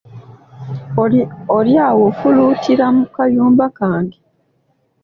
Oli awo ofuluutira mu kayumba kange.